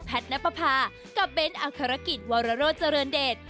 แพทย์น้ำปะพากับเบ้นอาคารกิจวรรโรจรณเดชน์